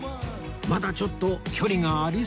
まだちょっと距離がありそうです